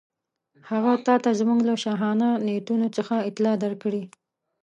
هغه تاته زموږ له شاهانه نیتونو څخه اطلاع درکړې.